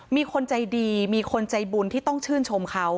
มีคนใจดีมีคนใจบุญที่ต้องชื่นชมเขา